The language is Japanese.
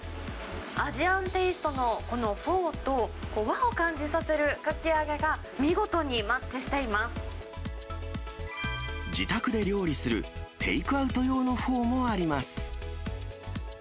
アジアンテーストのこのフォーと、和を感じさせるかき揚げが、自宅で料理するテイクアウト用のフォーもあります。